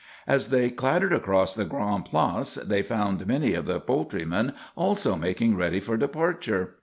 As they clattered across the Grande Place they found many of the poultrymen also making ready for departure.